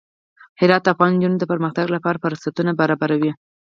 هرات د افغان نجونو د پرمختګ لپاره فرصتونه برابروي.